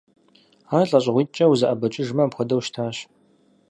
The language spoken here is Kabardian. Ар лӀэщӀыгъуитӀкӀэ узэӀэбэкӀыжмэ апхуэдэу щытащ.